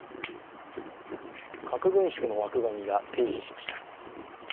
核軍縮の枠組みが停止しました。